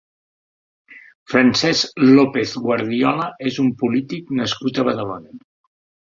Francesc López Guardiola és un polític nascut a Badalona.